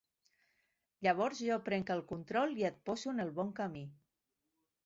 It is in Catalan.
Llavors jo pren el control i et poso en el bon camí.